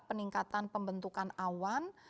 peningkatan pembentukan awan